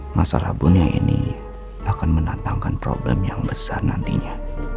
masalah dunia ini akan menantangkan problem yang besar nantinya